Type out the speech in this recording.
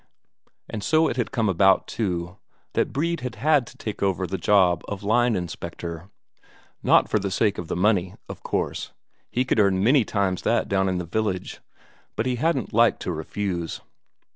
And so it had come about, too, that Brede had had to take over the job of line inspector. Not for the sake of the money, of course, he could earn many times that down in the village, but he hadn't liked to refuse.